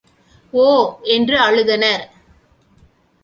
ஓ! வென்று அழுதனர்.